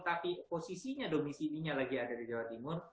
tapi posisinya domisilinya lagi ada di jawa timur